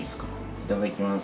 いただきます。